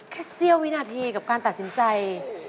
เสี้ยววินาทีกับการตัดสินใจ